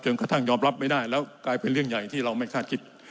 กระทั่งยอมรับไม่ได้แล้วกลายเป็นเรื่องใหญ่ที่เราไม่คาดคิด